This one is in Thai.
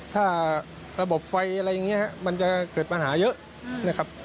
ถ้าระบบไฟอะไรอย่างนี้มันจะเกิดปัญหาเยอะนะครับ